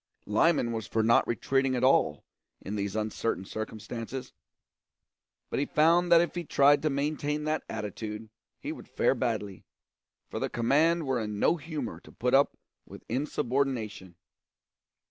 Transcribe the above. Lyman was for not retreating at all, in these uncertain circumstances; but he found that if he tried to maintain that attitude he would fare badly, for the command were in no humour to put up with insubordination.